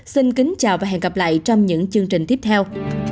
xin kính chào và hẹn gặp lại trong những chương trình tiếp theo